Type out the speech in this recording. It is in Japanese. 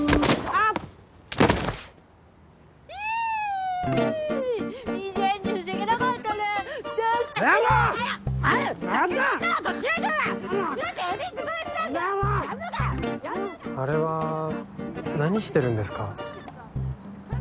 あれは何してるんですか？